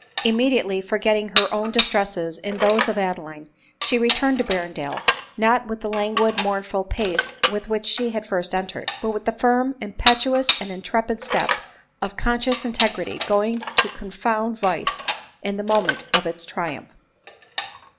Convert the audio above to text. Immediately forgetting her own distresses in those of Adeline, she returned to Berrendale, not with the languid, mournful pace with which she had first entered, but with the firm, impetuous and intrepid step of conscious integrity going to confound vice in the moment of its triumph.